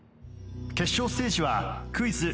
決勝ステージはクイズ